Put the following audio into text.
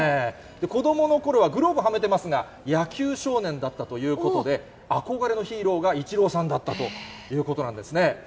子どものころはグローブはめてますが、野球少年だったということで、憧れのヒーローがイチローさんだったということなんですね。